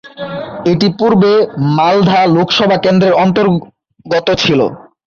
এটি পূর্বে মালদা লোকসভা কেন্দ্রের অন্তর্গত ছিল।